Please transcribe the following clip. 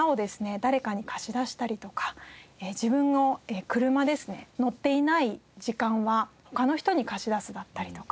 誰かに貸し出したりとか自分の車ですね乗っていない時間は他の人に貸し出すだったりとか。